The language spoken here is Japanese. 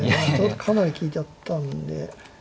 かなり利いちゃったんで。